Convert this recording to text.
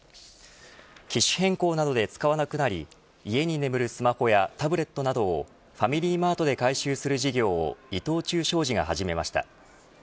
機種変更などで使わなくなり家に眠るスマホやタブレットなどをファミリーマートで回収する事業を伊藤忠商事が始めました。